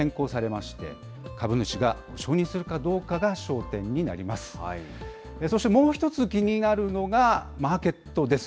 そしてもう一つ気になるのが、マーケットです。